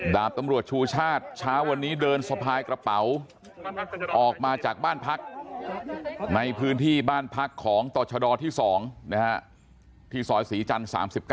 ดาบตำรวจชูชาติเช้าวันนี้เดินสะพายกระเป๋าออกมาจากบ้านพักในพื้นที่บ้านพักของต่อชดที่๒ที่ซอยศรีจันทร์๓๙